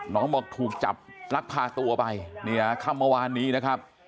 น้องบอกถูกจับลักพาตัวไปเนี่ยค่ำเมื่อวานนี้นะครับ